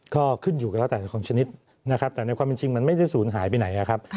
ก็ขึ้นอยู่กันแล้วแต่สังคมชนิดนะครับแต่ในความเป็นจริงมันไม่ได้ศูนย์หายไปไหนนะครับ